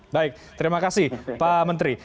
baik terima kasih pak menteri